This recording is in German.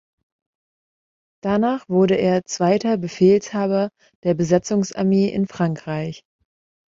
Danach wurde er zweiter Befehlshaber der Besatzungsarmee in Frankreich.